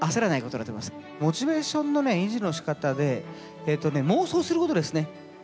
モチベーションのね維持のしかたで妄想することですね。